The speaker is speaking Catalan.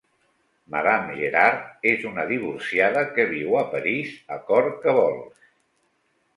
Madame Gerard és una divorciada que viu a París a cor què vols.